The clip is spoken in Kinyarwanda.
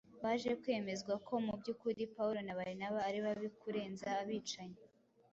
baje kwemezwa ko mu by’ukuri Pawulo na Barinaba ari babi kurenza abicanyi